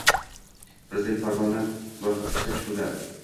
Prezident farmoni loyihasi ishlab chiqildi.